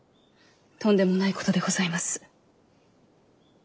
とんでもないことでございます。